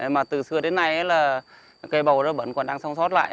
mà từ xưa đến nay là cây bầu đó vẫn còn đang sống sót lại